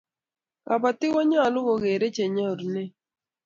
kabatik konyalun kokere chenyorune